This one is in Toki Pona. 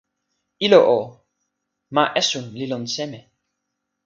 ilo o, ma esun li lon seme?